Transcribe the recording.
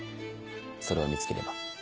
それを見つければ。